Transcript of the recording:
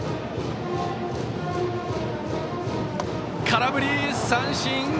空振り三振！